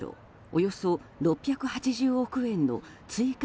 およそ６８０億円の追加